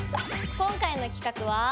今回の企画は？